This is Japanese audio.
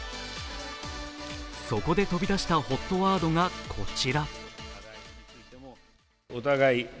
そこで飛び出したＨＯＴワードがこち。